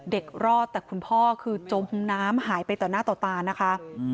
รอดแต่คุณพ่อคือจมน้ำหายไปต่อหน้าต่อตานะคะ